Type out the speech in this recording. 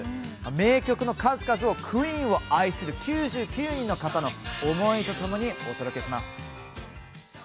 名曲の数々を、クイーンを愛する９９人の方の思いとともにお届けします。